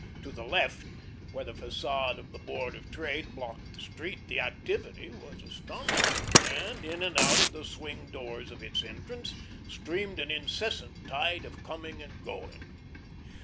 To the left, where the facade of the Board of Trade blocked the street, the activity was astonishing, and in and out of the swing doors of its entrance streamed an incessant tide of coming and going.